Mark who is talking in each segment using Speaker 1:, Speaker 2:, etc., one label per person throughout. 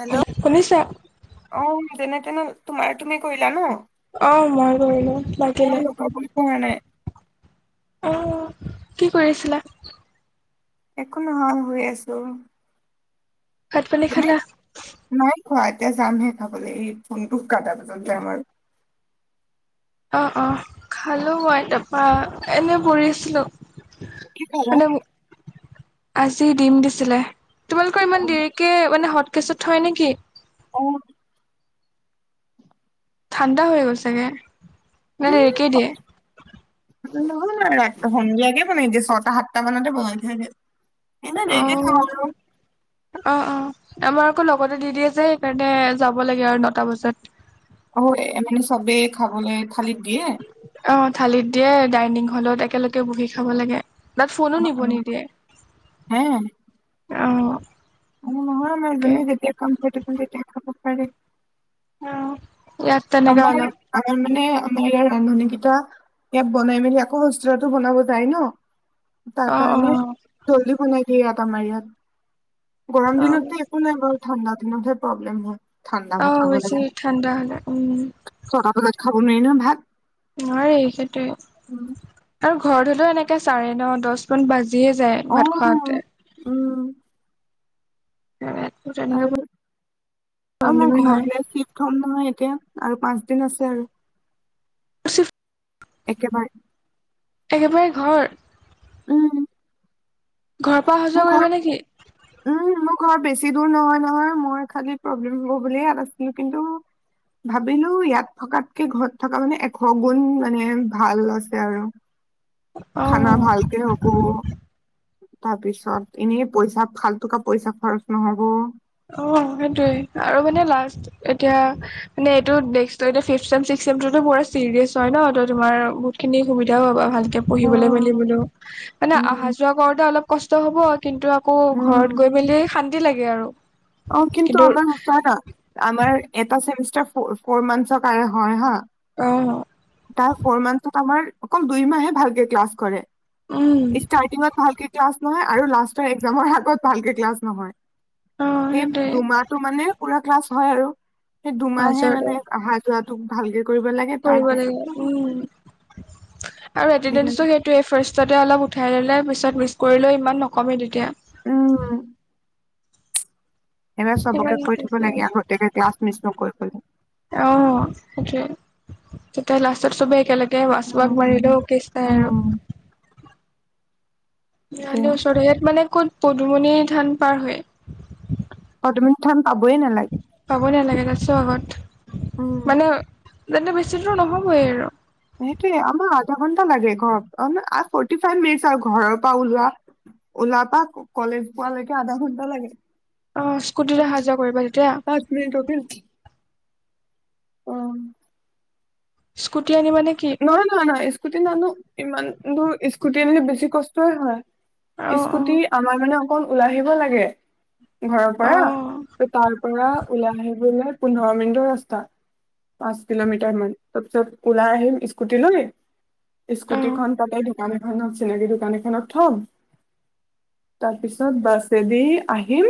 Speaker 1: Hello
Speaker 2: শুনিছা?
Speaker 1: অ যেনে -তেনে তোমাৰ তুমি কৰিলা ন?
Speaker 2: অ', মই কৰিলো লাগিলে।
Speaker 1: মই লোক [inaudible] পএ নাই
Speaker 2: অহ' কি কৰিছিলা?
Speaker 1: একো নহয় শুই আছোঁ।
Speaker 2: ভাত পানী খালা?
Speaker 1: অ' এতিয়া যামহে খাবলৈ। এই ফোনটো কাটা পিছত যাম আৰু,
Speaker 2: অ', অ', খালো মই তাৰপৰা এনে পৰি আছিলো।
Speaker 1: কি খালা?
Speaker 2: মানে আজি দিম দিছিলে। তোমালোকৰ ইমান দেৰিকে মানে হট কেচত থয় নেকি?
Speaker 1: অ',
Speaker 2: ঠাণ্ডা হৈ গ'ল ছাগে মানে দেৰিকে দিয়ে।
Speaker 1: নহয় স সন্ধিয়াতে বনাই দিয়ে। ছটা সাতটা মানতে বনাই থৈ দিয়ে। এনে
Speaker 2: অ,
Speaker 1: দেৰিকে খাওঁ আৰু
Speaker 2: অ', অ', আমাৰ আকৌ লগতে দি দিয়ে যে সেইকাৰণে যাব লাগে আৰু নটা বজাত।
Speaker 1: অ এনেকে চবেই খাবলৈই।
Speaker 2: অ' থালিত দিয়ে ডাইনিং হলত একেলগে বহি খাব লাগে। তাত ফোনো
Speaker 1: অ
Speaker 2: নিব
Speaker 1: অ
Speaker 2: নিদিয়ে।
Speaker 1: হে
Speaker 2: অহ'
Speaker 1: অ, নহয় মাজনী যেতিয়া কম্ফৰ্টেবল তেতিয়া খাব পাৰে।
Speaker 2: অ',
Speaker 1: আমাৰ আমাৰ মানে আমাৰ ইয়াৰ ৰান্ধনি কেইটা ইয়াত বনাই মেলি আকৌ হোস্তেলতো বনাব যায় ন তাৰ
Speaker 2: অ অ
Speaker 1: কাৰণে জল্দি বনাই দিয় আমাৰ ইয়াত গৰম
Speaker 2: অ
Speaker 1: দিনতো একো নাই বাৰু ঠাণ্ডা দিনতহে প্ৰব্লেম হয় ঠাণ্ডা
Speaker 2: অ
Speaker 1: ভাত খাব লাগে
Speaker 2: বেছি
Speaker 1: ন,
Speaker 2: ঠাণ্ডা হলে উম
Speaker 1: ছটা বজাত খাব নোৱাৰি নহয় ভাত
Speaker 2: নাৰে এই সেইটোৱে আৰু ঘৰত হলেও এনেকে চাৰে ন দহ মান বাজি জিয়ে যায়
Speaker 1: অ
Speaker 2: ভাত খোৱাতে
Speaker 1: উম
Speaker 2: তেনেকে
Speaker 1: আৰু, অ মই
Speaker 2: প্ৰব্লেমে হয়
Speaker 1: ঘৰলৈ শ্বিফ্ট হম নহয় এতিয়া আৰু পাঁচ দিন আছে আৰু
Speaker 2: অ শ্বিফ্ট
Speaker 1: একেবাৰে
Speaker 2: একেবাৰে ঘৰ
Speaker 1: উম।
Speaker 2: ঘৰৰ পৰা অহা
Speaker 1: মোৰ
Speaker 2: যোৱা
Speaker 1: ঘৰ,
Speaker 2: কৰিবা নেকি
Speaker 1: উম, ম ঘৰ বেছি দূৰ নহয় নহয়, মই খালি প্ৰব্লেম হ'ব বুলিহে ইয়াত আছিলো, কিন্তু ভাবিলো, ইয়াত থকাতকে ঘৰত থকা মানে এশ গুণ মানে ভাল আছে আৰু। খানা
Speaker 2: অ
Speaker 1: ভালকে হ'ব। তাৰ পিছত, এনেই পইচা ফালটোকে পইচা খৰচ নহ'ব।
Speaker 2: অ, সেইটোৱে, আৰু মানে লাষ্ট এতিয়া, মানে এইটো next fifth same, sixth same মেমটোতো বয় চিৰিয়াছ হয় ন তো তোমাৰ বহুতখিনি সুবিধাও পাবা ভাল। পঢ়িবলৈ
Speaker 1: উম,
Speaker 2: মেলি বলেও মানে অহা
Speaker 1: উম,
Speaker 2: যোৱা কৰোতে অলপ কষ্ট হব কিন্তু আকৌ
Speaker 1: উম,
Speaker 2: ঘৰত গৈ মেলি শান্তি লাগে আৰু
Speaker 1: অ কিন্তু আমাৰ উপায় না আমাৰ এটা চেমিছ ফ - ফোৰ - ফৌৰ মান্থচৰ কাৰনে হয় হা,
Speaker 2: অ
Speaker 1: তাই ফোৰ মান্থচত আমাৰ অকল দুই মাহে ভালকে ক্লাছ কৰে।
Speaker 2: উম
Speaker 1: ইচষ্টাৰ্টিং ত ভালকে ক্লাছ ন আৰু লাষ্টৰ একজামৰ আগত ভালকে ক্লাছ নহয়
Speaker 2: অ
Speaker 1: সেই
Speaker 2: সেইটোৱে
Speaker 1: দুমাহটো মানে পুৰা ক্লাছ হয় আৰু সেই দুমাহে
Speaker 2: মাজৰটো
Speaker 1: মানে অহা যোৱাটোক ভালকে কৰিব লাগে তাৰ
Speaker 2: কৰিব
Speaker 1: পিছত
Speaker 2: লাগিব উম আৰু
Speaker 1: সেইকাৰণে
Speaker 2: এতেন্দেচটো সেইটোৱে ফাৰ্ষ্টত এ অলপ উৎ উঠাই ললে পিছত মিচ কৰিলেও ইমান নকমে তেতিয়া।
Speaker 1: এবাৰ চবকে কৈ থব লাগে আগতিয়াকে ক্লাছ মিচ নকৰিবলে।
Speaker 2: অ সেইটোৱে। তেতিয়া লাষ্টত সবে একেলগে আচ বাগ
Speaker 1: উম,
Speaker 2: বাৰিলেও কেচ নাই আৰু।
Speaker 1: উম, সেইটোয়ে
Speaker 2: ইয়ালে ওচৰত ইয়াত মানে ক'ত পদুমণি ধান পাৰ হৈ?
Speaker 1: পদুমনি থান পাবয়ে নালাগে।
Speaker 2: ৰাছ আগত
Speaker 1: উম,
Speaker 2: মানে যাতে বেছি দূৰ নহবয়ে আৰু।
Speaker 1: সেইটোয়ে আমাৰ আধা ঘন্টা লাগে ঘৰত অ ফৰ্টি ফাইভ মিনিট আও ঘৰৰ পৰা ওলোৱা। ওলা পা কলেজ পোৱালৈকে আধা ঘন্টা লাগে।
Speaker 2: অ স্কুটিত অহা
Speaker 1: [unintelligible]
Speaker 2: যোৱা কৰিবা তেতিয়া
Speaker 1: পাঁচ মিনিট অ'কে।
Speaker 2: স্কুট
Speaker 1: নহয় নহয় নহয় স্কুটি নানো ইমান দূৰ স্কুটি আনিলে বেছি কষ্টয়ে হয়।
Speaker 2: অ
Speaker 1: স্কুটি আমাৰ মানে অকণ ওলাই আহিব লাগে। ঘৰৰ
Speaker 2: অ অ
Speaker 1: পৰা তাৰ পৰা ওলাই আহি [unintelligible] পোন্ধৰ মিনিটৰ ৰাস্তা পাঁচ কিলমিটাৰ মান তাৰপিছত ওলাই আহিম। স্কুটি লৈ।
Speaker 2: অ
Speaker 1: স্কুটিখন তাতে দোকান এখনত চিনাকি দোকান এখনত থম। তাৰপিছত বাছেদি আহিম।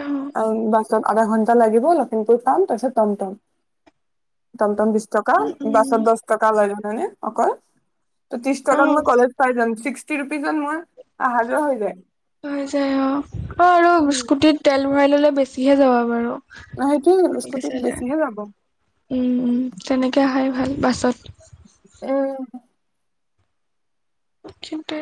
Speaker 2: অ
Speaker 1: আম বাছত আধা ঘন্টা লাগিব লখিমপুৰ পাম তাৰপিছত টমটম টমটম বিষ্ট
Speaker 2: উম উম।
Speaker 1: টকা লয় হয়নে অকল,
Speaker 2: অ
Speaker 1: ত্ৰিছটকাত মই কলেজ পাই যাং ছিক্স টি ৰুপিজত মই অহা-যোৱা হৈ যায়।
Speaker 2: হৈ যায় অ'। অ' আৰু স্কুটিত তেল ভৰাই ল'লে বেছিহে যাবা বাৰু।
Speaker 1: সেইটোয়ে
Speaker 2: তেনেকে
Speaker 1: স্কুটিত
Speaker 2: চালে।
Speaker 1: বেছিহে যাব
Speaker 2: উম - উম, তেনেকে আহাই ভাল বাছত।
Speaker 1: উম।
Speaker 2: কিন্তু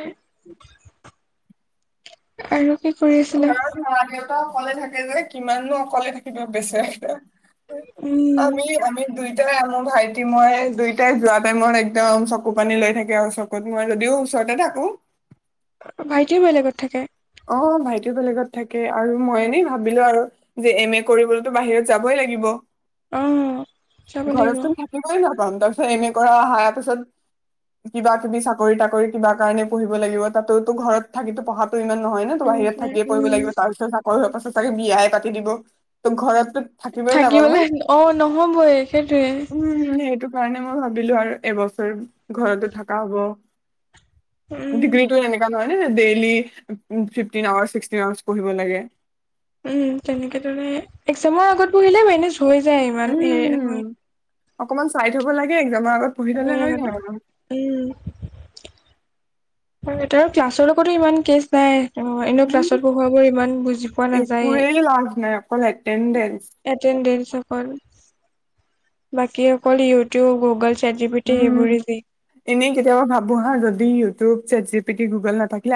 Speaker 2: আৰু কি কৰি আছিলে
Speaker 1: ঘৰত মা-দেউতা অকলে থাকে যে, কিমাননো অকলে থাকিবা বেচেৰা [unintelligible]
Speaker 2: উম
Speaker 1: আমি - আমি দুই টাই মোৰ ভাইটি ময়ে দুইটাই যোৱা টাইমত একদম চকুপানী লৈ থাকে আৰু চকুত। মই যদিও ওচ ৰতে থাকোঁ।
Speaker 2: ভাইটিও বেলেগত থাকে?
Speaker 1: অ' ভাইটিও বেলেগত থাকে আৰু মই এনেই ভাবিলোঁ আৰু, যে এম এ কৰিবলৈতো বাহিৰত যাবই লাগিব।
Speaker 2: অ যাব
Speaker 1: ঘৰত
Speaker 2: লাগিব
Speaker 1: চোন থাকিবই ৰম। তাৰপিছত এম এ কৰা আহাৰ পিছত কিবা কিবি চাকৰি তাকৰি কিবা কাৰণে পঢ়িব লাগিব তাতোতো ঘৰত থাকি পঢ়াতো ইমান নহয় ন তো বাহিৰত
Speaker 2: নহয়
Speaker 1: থাকিয়ে পঢ়িব
Speaker 2: উম
Speaker 1: লাগিব। তাৰপিছত চাকৰি হোৱাৰ পাছত তাকে বিয়াই পাতি দিব ত ঘৰত থাকিব ই নাপ
Speaker 2: থাকিবলে অ নহবই সেইটোৱে
Speaker 1: উম সেইটো কাৰণে মই ভাবিলো আৰু এবছৰ ঘৰতো থকা হ'ব।
Speaker 2: উম
Speaker 1: ডিগ্ৰীটো এনেুৱা নহয় নে daily um fifteen hours sixteen hours পঢ়িব লাগে।
Speaker 2: উম, তেনেকে দৰে এক্সামৰ আগত বহিলে এনে হৈ যায়, ইমান এৰেৰ হয়।
Speaker 1: উম। অকমান চাই থব লাগে এক্জামৰ আগত। পঢ়ি থলে হৈ যায় আৰু।
Speaker 2: [unintelligible] তাৰো ক্লাছৰো কতো ইমান কেচ নাই। অ' এনেও
Speaker 1: উম
Speaker 2: ক্লাছত পঢ়োৱাবোৰ ইমান বুজি পোৱা নাযায়ে।
Speaker 1: একোৱেই লাভ নাই অকল এটেনডেঞ্চ।
Speaker 2: এটেনডেঞ্চ অকল। বাকী অকল YouTube, Google set G P T
Speaker 1: um,
Speaker 2: সেইবোৰে যি
Speaker 1: এনেই কেতিয়াবা ভাবো হা যদি। ইউটিউব, ছাটজিপিট, গুগল নাথাকিলে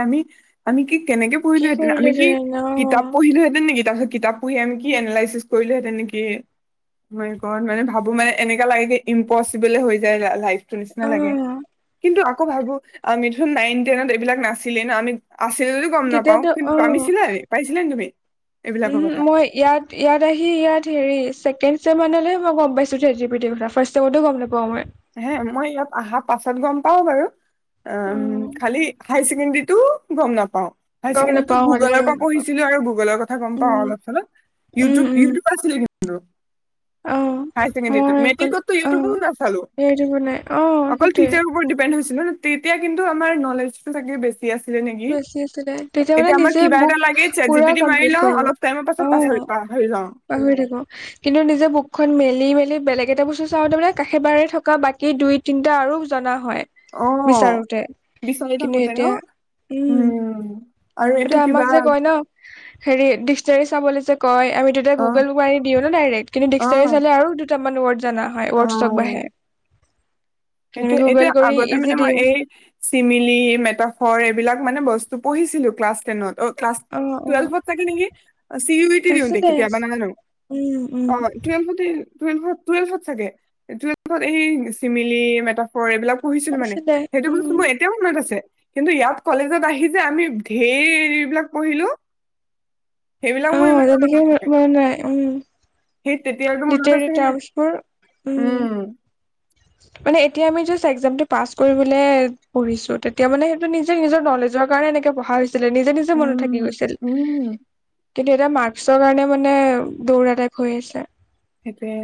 Speaker 1: আমি কি কেনেকে
Speaker 2: কি
Speaker 1: পঢ়িলোহেতেন
Speaker 2: কৰিলে
Speaker 1: আমি
Speaker 2: যে
Speaker 1: কি
Speaker 2: অ
Speaker 1: কিতাপ পঢ়িলোহেতেন নেকি তাৰপিছত কিতাপ পুহি আমি কি এনালাইচিছ কৰিলোহেঁতেনেকি মই ক'ত মানে ভাবো মানে এনেকা লাগে কি ইম্পচিবলে হৈ যায়। যে লাইফটো নিচি
Speaker 2: অ
Speaker 1: লাগে, কিন্তু আকৌ ভাবো আমিটো ন নাইন টেনত এইবিলাক নাছিলে ন আমি। আছিল যদি গ'ম নাপাওঁ।
Speaker 2: তেতিয়াতো
Speaker 1: কিন্তু আমিছিলা পাইছিলা নেকি তুমি। এইবিলাকৰ
Speaker 2: উম,
Speaker 1: কথা
Speaker 2: মই ইয়াত ইয়াত আহি ইয়াত হেৰি ছেকেণ্ড চ মানে মই গ'ম পাইছো হেতিতি ক ফাৰ্ষ্ট টাইমতো গমানাপাওঁ মই।
Speaker 1: হে মই ইয়াত অহা পাছত গ'ম পাওঁ বাৰু উম, খালি। হাইৰ ছেকেণ্ডৰীতো গ'ম নাপাওঁ। হাই
Speaker 2: গম
Speaker 1: ছেকেণ্ডেৰীটো
Speaker 2: নাপাওঁ মই
Speaker 1: গুগলৰ
Speaker 2: তেতিয়া
Speaker 1: পৰা
Speaker 2: গম নাপাওঁ।
Speaker 1: পঢ়িছিলো আৰু গুগলৰ কথা গ'ম পাওঁ
Speaker 2: উম,
Speaker 1: অলপ চলপ
Speaker 2: উম,
Speaker 1: ইউটিউব
Speaker 2: উম,
Speaker 1: ইউটিউব আছিলে কিন্তু।
Speaker 2: অ',
Speaker 1: হায় ছেকেণ্ডৰী
Speaker 2: মই অকল
Speaker 1: মেট্ৰিকতো ইউটিউবো
Speaker 2: অ',
Speaker 1: না চালো।
Speaker 2: এৰি বনাই অ',
Speaker 1: অকল
Speaker 2: সেইটোৱে
Speaker 1: টিচাৰ ওপৰত ডিপেণ্ড হৈছিল তেতিয়া কিন্তু আমাৰ নলেজ থাকে বেছি আছিলে নেকি
Speaker 2: বেছি আছিলে তেতিয়া মানে
Speaker 1: এতিয়া আমাৰ
Speaker 2: নিজে
Speaker 1: কিবা
Speaker 2: বুক
Speaker 1: এটা লাগে
Speaker 2: পুৰা
Speaker 1: ছাটজিপিত দি মাৰি
Speaker 2: কমপ্লিট
Speaker 1: লওঁ
Speaker 2: কৰো
Speaker 1: অলপ টাইমৰ পাছত পাছ
Speaker 2: অ',
Speaker 1: প হয়।
Speaker 2: পাহৰি থাকো কিন্তু নিজে বুকখন মেলি মেলি বেলেগ কেইটা বস্তু চাওঁ তাৰানে কাশে বাৰে থকা বাকী দুই তিনিটা আৰু জনা হয়
Speaker 1: অ',
Speaker 2: বিচাৰোতে
Speaker 1: বিচাৰি
Speaker 2: কিন্তু
Speaker 1: থাকোতে ন?
Speaker 2: এতিয়া উম,
Speaker 1: আৰু এইটো
Speaker 2: এয়া আমাক
Speaker 1: কিবা
Speaker 2: যে কয় ন হেৰি ডিচনেৰী চাবলৈ যে ক আমি তেতিয়া
Speaker 1: অ',
Speaker 2: গুগলত মাৰি দিওঁ ন ডাইৰেক্ট কিন্তু ডিচনেৰী
Speaker 1: অ',
Speaker 2: চালে আৰু দুটামান ৱৰদ জানা হয় ৱৰ্ডছক বাহে
Speaker 1: এতিয়া এতিয়া আগতে
Speaker 2: ইজি
Speaker 1: মানে মই
Speaker 2: দিওঁ
Speaker 1: এই চিমিলি মেটাফৰ এইবিলাক মানে বস্তু পঢ়িছিলো ক্লাছ টেনত অ' ক্লাছ টুৱেল্ভত চাগে নেকি? চি ইউ ইটি দিওঁ দে
Speaker 2: আছিলে
Speaker 1: কেতিয়াবা নাজানো
Speaker 2: উম উম
Speaker 1: অ' টুৱেলভতে টুৱেলভত টুৱেলভত চাগে টুৱেলভত এই চিমিলি মেটাফৰ এইবিলাক পঢ়িছিলোঁ মানে
Speaker 2: আছিলে
Speaker 1: সেইটো বস্ত
Speaker 2: উম
Speaker 1: মোৰ এতিয়াও মনত আছে। কিন্তু ইয়াত কলেজত আহি যে আমি ধেৰবিলাক পঢ়িলোঁ। সেইবিলাক
Speaker 2: অ
Speaker 1: মোৰ ইমান
Speaker 2: তেনেকে
Speaker 1: নাথাকে।
Speaker 2: মন নাই উম
Speaker 1: সেই তেতিয়াৰটো মনত
Speaker 2: লিটাৰী
Speaker 1: আছেই নাই
Speaker 2: টাৰ্মছবোৰ
Speaker 1: উম। [inaudible]
Speaker 2: মানে এতিয়া আমি একজামটো পাছ কৰিব পঢ়িছো। তেতিয়া মানে সেইটো নিজে নিজৰ নলেজৰ কাৰণে পঢ়া হৈছিলে নিজে নিজে মনত থাকি
Speaker 1: উম,
Speaker 2: গৈছিল।
Speaker 1: উম,
Speaker 2: কিন্তু এটা মাস্কৰ কাৰণে মানে দৌৰাটাইপ হৈ আছে।
Speaker 1: সেইটোৱে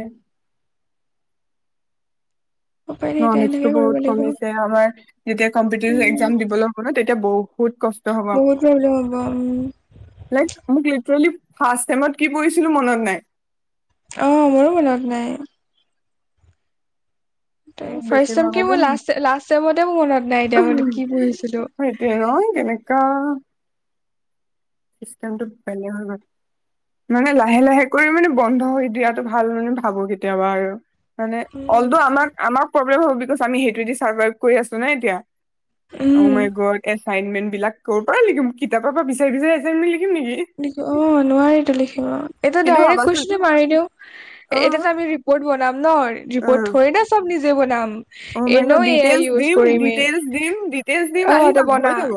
Speaker 2: উপায় নাই এতিয়া
Speaker 1: নলেজটো
Speaker 2: সেনেকে কৰিব
Speaker 1: বহুত
Speaker 2: লাগিব
Speaker 1: কমিছে আমাৰ যেতিয়া কম্পিটিতিভ
Speaker 2: উম
Speaker 1: একজাম দিবলৈ হ'ব ন তেতিয়া বহ বহুত কষ্ট হ'ব।
Speaker 2: বহুত প্ৰব্লেম হ'ব উম
Speaker 1: লাইক মোক লি ট্ৰেলি ফাষ্ট ছেমত কি পঢ়িছিলোঁ মনত নাই।
Speaker 2: অ' মোৰো মনত নাই।
Speaker 1: মোক
Speaker 2: ফাৰ্ষ্ট ছেম কি
Speaker 1: বেছিভাগৰে
Speaker 2: মোৰ
Speaker 1: মনত
Speaker 2: লাষ্ট-লাষ্ট ছেমতে মোৰ মনত নাই এতিয়া মই কি পঢ়িছিলো
Speaker 1: [unintelligible] সেইটোৱে ন' কেনেকুৱা [unintelligible] মানে লাহে লাহে কৰি মানে বন্ধ হৈ দিয়াতটো ভাল মানে ভাবো কেতিয়াবা আৰু মানে অলদ প্ৰব্লেম হ'ব বিকজ আমি সেইটো চাৰ্ভাৰ কৰি আছো নাই এতিয়া। অ'
Speaker 2: উম
Speaker 1: মাই গডত এছাইনমেণ্ট বিলাক কৰ পৰাই লিখিম কিতাপৰ পৰা বিচাৰি বিচাৰি এছাইনমেণ্ট লিখিম নেকি
Speaker 2: অ' নোৱাৰো লিখিব এ
Speaker 1: কিন্তু
Speaker 2: ডাইৰেক
Speaker 1: ভাবাচোন
Speaker 2: কসেনোটো মাৰি দিওঁ
Speaker 1: অ
Speaker 2: এতি আমি ৰিপ'ৰ্ট বনাম ন
Speaker 1: অ
Speaker 2: ৰিপৰ্ট থৰি না চ'ব নিজে বনাম।
Speaker 1: অ মাই গড
Speaker 2: এনেও এয়াই
Speaker 1: ডিটেইলছ
Speaker 2: ইউজ
Speaker 1: দিম
Speaker 2: কৰিমি
Speaker 1: ডিটেইলছ দিম ডিটেইলছ দিম
Speaker 2: আহ
Speaker 1: আহি
Speaker 2: তে
Speaker 1: যাব হৈ
Speaker 2: বনা
Speaker 1: যাব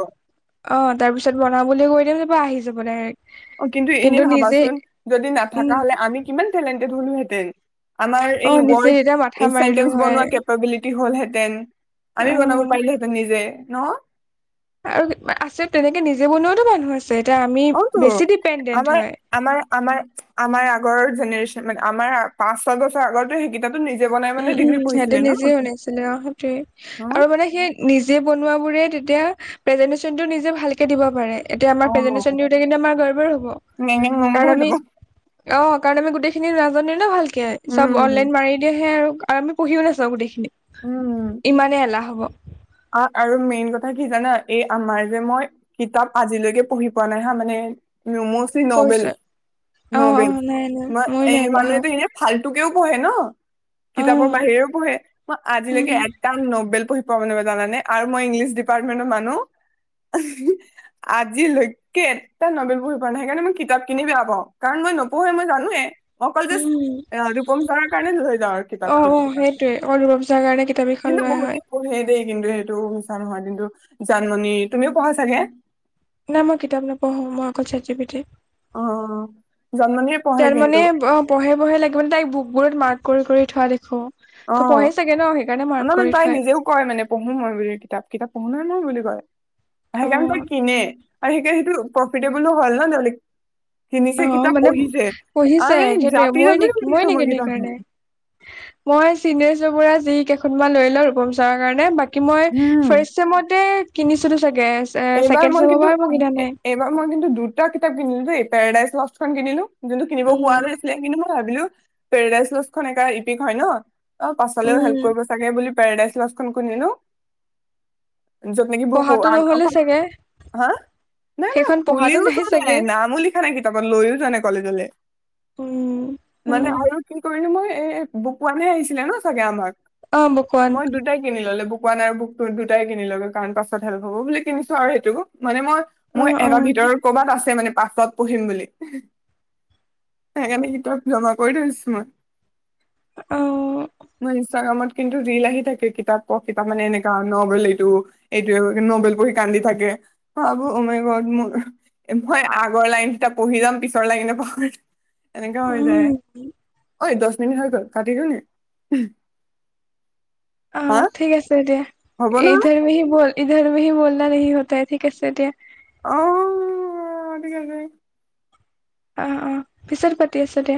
Speaker 2: অ', তাৰপিছত বনাবলৈ বুলি কৈ দিম তাৰাপা আহি যাব ডাইৰেক্ট।
Speaker 1: অ', কিন্তু এনে ভাবাচোন, যদি
Speaker 2: উম
Speaker 1: নাথাকা হ'লে আমি কিমান টেলেণ্টেড হলোহেঁতেন। আমাৰ
Speaker 2: অ
Speaker 1: এই
Speaker 2: নিজে
Speaker 1: ৱাৰ্ড,
Speaker 2: এতিয়া মাথা
Speaker 1: এই
Speaker 2: মাৰিলো
Speaker 1: চেন্টেছ
Speaker 2: হয়
Speaker 1: বনোৱা কেপাবিলিটি হলহেঁতেন। আমিও বনাব
Speaker 2: অ
Speaker 1: পাৰিলোহেঁতেন নিজে ন'।
Speaker 2: আৰু, আছে তেনেকে নিজে বনোৱাতো মানুহ আছে। এতিয়া আমি
Speaker 1: অতো
Speaker 2: বেছি ডিপেণ্ডেন্ট
Speaker 1: আমাৰ,
Speaker 2: হয়।
Speaker 1: আমাৰ, আমাৰ, আমাৰ ঘৰৰ জেনেৰেছন মানে আমাৰ পাঁচ ছয় বছৰ আগতে সেই কিটা
Speaker 2: উম, উম, সিহঁতে নিজে শুননিছিলে অ, সেইটোৱে,
Speaker 1: অ
Speaker 2: আৰু মানে সেই নিজে বনোৱা বোৰে তেতিয়া, প্ৰেজেন্টেচনটো নিজে ভালকে দিব পাৰে। এতিয়া আমাক
Speaker 1: অ
Speaker 2: প্ৰেজেন্টেশন দিওঁতে কিন্তু আমাৰ গৰ বৰ হ'ব,
Speaker 1: নেং নেং নং নং
Speaker 2: কাৰণ
Speaker 1: হৈ
Speaker 2: আমি,
Speaker 1: যাব
Speaker 2: অ, কাৰণ আমি গোটেই খিনি নাজানে ন' ভালকে, চব
Speaker 1: উম
Speaker 2: অনলাইন মাৰি দিয়েহে আৰু আমি পঢ়িও নাচাও গোটেইখিনি। ইমানে এলাহ হ'ব।
Speaker 1: অ', আৰু মেইন কথা কি জানা এই আমাৰ যে মই, কিতাপ আজিলৈকে পঢ়ি পোৱা নাই হা, মানে ৰুমছি নবেল,
Speaker 2: কৈছো অ অ
Speaker 1: নবেল,
Speaker 2: নাই নাই
Speaker 1: মই
Speaker 2: নাই
Speaker 1: এই
Speaker 2: পঢ়া
Speaker 1: মানুহেটো এনে ফাল তোকেও পঢ়ে ন'
Speaker 2: অ
Speaker 1: কিতাপৰ বাহিৰেও পঢ়ে, মই
Speaker 2: উম
Speaker 1: আজিলৈকে এটাও নবেল পঢ়ি পোৱা নাই জানা নে, আৰু মই ইংলিছ ডিপাৰ্টমেণ্টৰ মানুহ। আজিলৈকে এটা নবেল পঢ়ি পোৱা নাই সেইকাৰণে মই কিতাপ কিনি বেয়া পাও, কাৰণ মই নপঢ়োৱে মই জানোৱে। মই অকল জাষ্ট,
Speaker 2: উম
Speaker 1: ৰূপম ছাৰৰ কাৰণে লৈ যাওঁ আৰু
Speaker 2: অ অ
Speaker 1: কিতাপখিনি।
Speaker 2: সেইটোৱে অকল ৰূপচা কাৰণে কিতাপ এখন
Speaker 1: কিন্তু
Speaker 2: লোৱা
Speaker 1: বহুত
Speaker 2: হয়
Speaker 1: পঢ়ে দেই কিন্তু সেইটো মিছা নহয় কিন্তু, জানমণি তুমিও পঢ়া চাগে?
Speaker 2: নাই মই কিতাপ নপঢ়ো মই অকল চেত যিপিঠি
Speaker 1: অ জানমণিয়ে পঢ়ে
Speaker 2: তাৰ মানে
Speaker 1: কিন্তু
Speaker 2: অ, পঢ়ে বঢ়ে লাগিব মানে তাই বুকবোৰত মাৰ্ক কৰি-কৰি থোৱা দেখো।
Speaker 1: অ,
Speaker 2: ত পঢ়ে চাগে ন সেইকাৰণে মাৰ্ক কৰি
Speaker 1: [unintelligible] তাই
Speaker 2: থয়
Speaker 1: নিজেও কয় মানে পঢ়ো মই বুলি কিতাপ-কিতাপ পঢ়ো নহয় মই বুলি কয় অ, সেইকাৰণে তাই কিনে আৰু সেইকাৰণে সেইটো প্ৰফিটেবলো হল ন' জল্দি কিনিছে
Speaker 2: অ
Speaker 1: কিতাপ
Speaker 2: মানে
Speaker 1: পঢ়িছে
Speaker 2: পঢ়িছে
Speaker 1: আৰে
Speaker 2: সেইটোৱে
Speaker 1: জাপি-
Speaker 2: মই নে
Speaker 1: জপিও মেলি থওঁ মই
Speaker 2: নেকি
Speaker 1: কিতাপ
Speaker 2: সেইকাৰণে
Speaker 1: খিনি। [inaudible]
Speaker 2: মই চিনেছ [unintelligible] যি কেইখনমান লৈ লওঁ ৰূপম চাৰৰ কাৰণে বাক কি মই
Speaker 1: উম
Speaker 2: ফাৰ্চ চেমতে কিনিছিলোঁচ
Speaker 1: এইবাৰ মই কিন্তু
Speaker 2: নাই
Speaker 1: -এইবাৰ মই কিন্তু দুটা কিতাপ কিনিলো দে। পেৰাডাইজ লষ্ট খন কিনিলো যোনটো কিনিব কোৱা
Speaker 2: উম
Speaker 1: নাছিলে কিন্তু মই ভাবিলোঁ পেৰাডাইজ লছ খন একা ইপিক হয় ন, অ, পাছলেও হেল্প
Speaker 2: উম
Speaker 1: কৰিব চাগে বুলি পোৰডাইছ লষ্ট খন কিনিলোঁ য'ত নিকি
Speaker 2: পঢ়াটো
Speaker 1: [unintelligible]
Speaker 2: [unintelligible]
Speaker 1: নাই-নাই
Speaker 2: পঢ়াটো
Speaker 1: খুলিও চোৱা
Speaker 2: চাগে
Speaker 1: নাই নামো লিখা নাই কিতাপত লৈও যোৱা নাই কলেজলে।
Speaker 2: উম
Speaker 1: মানে
Speaker 2: উম
Speaker 1: আৰু কি কৰিলো মই এ- এ বুক ৱানহে আহিছিলে ন, চাগে আমাক
Speaker 2: অ বকোৱান
Speaker 1: মই দুটাই কিনি ললে বুক পোৱা নাই বুকতো দুটাই কিনি ললোঁ কাৰণ পাছত হেল্প হ'ব বুলি কিনিছো আৰু সেইটো। মানে মই
Speaker 2: অ
Speaker 1: মোৰ
Speaker 2: অ
Speaker 1: [unintelligible] ভিতৰত ক'বাত আছে মানে পাছত পঢ়িম বুলি সেইকাৰণে কিতাপ জমা কৰি ধৰিছো মই।
Speaker 2: অ
Speaker 1: [inaudible] মই ইনষ্টগ্ৰামত। কিন্তু ৰীল আহি থাকে কিতাপ পঢ় কিতাপ মানে এনেকা নভেল এইটো এইটোয়ে নবেল পঢ়ি। কান্দি থাকে ভাবোঁ অ মাই গোট মোৰ হয় আগৰ লাইন দুটা পঢ়ি যাম পিছৰ লাইন। [unintelligible] এনেকা হৈ যায় ঐ দছ মিনিট হৈ গ'ল কাটি গলনি?
Speaker 2: অ, ঠিক আছে দিয়া
Speaker 1: হ'ব নহয়
Speaker 2: ইধৰমেহী বল। ইধৰ মেহী বলনা নেহী হতাহে ঠিক আছে দিয়া।
Speaker 1: আহ অিকেক [inaudible]
Speaker 2: অহ অহ পিছত পাতি আছোঁ দে।